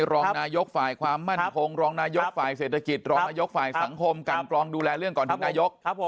ร้องนายกฝ่ายฝ่ายสังคมกันกรองดูแลเรื่องก่อนถึงนายก